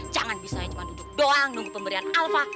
jangan bisa ya cuma duduk doang nunggu pemberian alva